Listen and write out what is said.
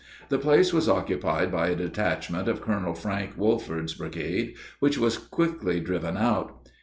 The place was occupied by a detachment of Colonel Frank Wolford's brigade, which was quickly driven out.